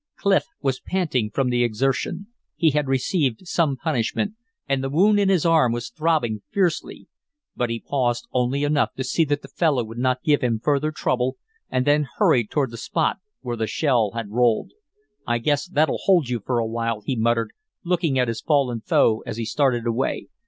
Clif was panting from the exertion. He had received some punishment, and the wound in his arm was throbbing fiercely. But he paused only long enough to see that the fellow would not give him further trouble, and then hurried toward the spot where the shell had rolled. "I guess that'll hold you for a while," he muttered, looking at his fallen foe as he started away.